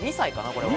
これは。